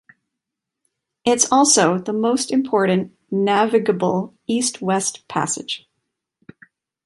It’s also the most important navigable east-west passage.